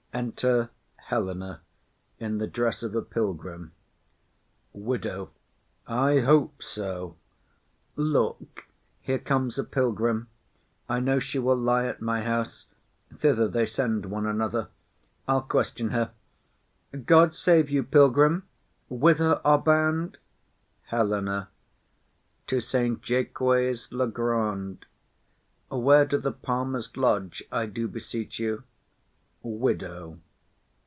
Enter Helena in the dress of a pilgrim. WIDOW. I hope so. Look, here comes a pilgrim. I know she will lie at my house; thither they send one another; I'll question her. God save you, pilgrim! Whither are bound? HELENA. To Saint Jaques le Grand. Where do the palmers lodge, I do beseech you? WIDOW.